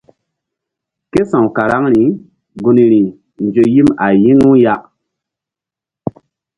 Ké sa̧w karaŋri gun ri nzo yim a yi̧ŋu ya.